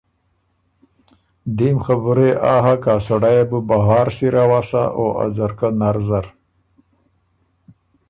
دیم خبُره يې آ هۀ که ا سړئ يې بُو بهار سِر اؤسا او ا ځرکۀ نر زر۔